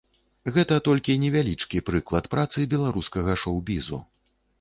Гэта толькі невялічкі прыклад працы беларускага шоў-бізу.